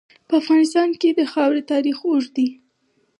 په افغانستان کې د خاوره تاریخ اوږد دی.